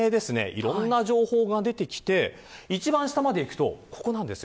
いろいろな情報が出てきて一番下までいくと、ここです。